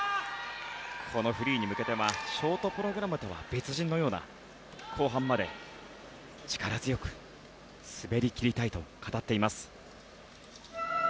このフリーに向けてはショートプログラムとは別人のような後半まで力強く滑り切りたいと語っています。